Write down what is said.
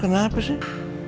ke mana aja sih